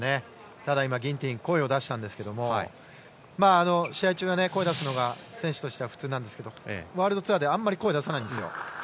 ただ、今ギンティン声を出したんですけれども試合中は声を出すのが選手としては普通なんですがワールドツアーではあまり声出さないんです。